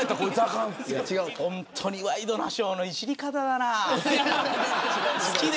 本当にワイドナショーのいじり方だな。